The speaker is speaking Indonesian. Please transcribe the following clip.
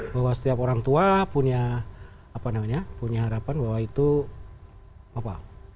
bahwa setiap orang tua punya harapan bahwa itu apa